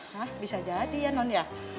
nah bisa jadi ya non ya